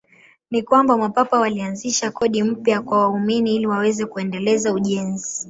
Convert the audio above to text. Ni kwamba Mapapa walianzisha kodi mpya kwa waumini ili waweze kuendeleza ujenzi.